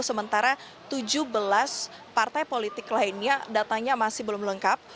sementara tujuh belas partai politik lainnya datanya masih belum lengkap